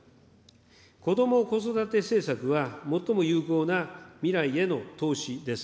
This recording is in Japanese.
こども・子育て政策は、最も有効な未来への投資です。